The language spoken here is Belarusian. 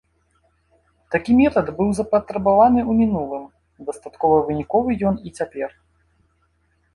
Такі метад быў запатрабаваны ў мінулым, дастаткова выніковы ён і цяпер.